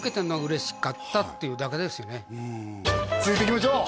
ただ続いていきましょう！